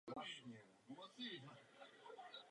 Postupně se z nich stali přátelé a snad i milenci.